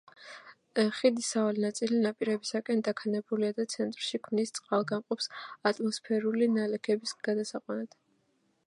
ხიდის სავალი ნაწილი ნაპირებისაკენ დაქანებულია და ცენტრში ქმნის წყალგამყოფს ატმოსფერული ნალექების გადასაყვანად.